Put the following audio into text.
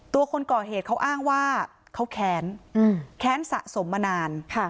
คนก่อเหตุเขาอ้างว่าเขาแค้นแค้นสะสมมานาน